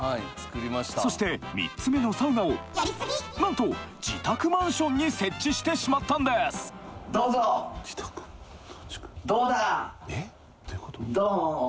そして３つ目のサウナをなんと自宅マンションに設置してしまったんですどん！